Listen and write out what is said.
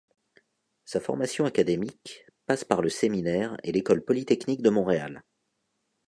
Sa formation académique passe par le Séminaire et l'École polytechnique de Montréal.